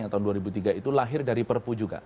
tahun dua ribu tiga itu lahir dari perpu juga